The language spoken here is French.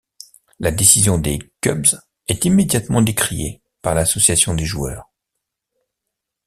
La décision des Cubs est immédiatement décriée par l'Association des joueurs.